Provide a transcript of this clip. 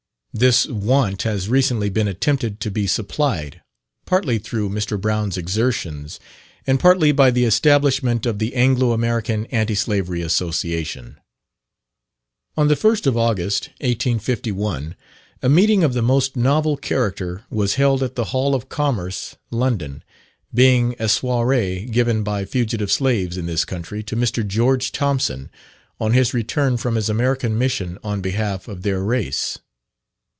This want has recently been attempted to be supplied, partly through Mr. Brown's exertions, and partly by the establishment of the Anglo American Anti Slavery Association. On the 1st of August, 1851, a meeting of the most novel character was held at the Hall of Commerce, London, being a soiree given by fugitive slaves in this country to Mr. George Thompson, on his return from his American mission on behalf of their race.